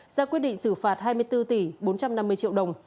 ra quyết định xử phạt hai mươi bốn tỷ bốn trăm năm mươi triệu đồng